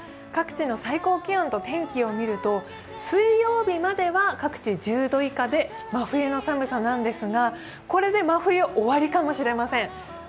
各地の最高気温と天気を見ると水曜日までは各地１０度以下で真冬の寒さですがこれで真冬、終わりかもしれません。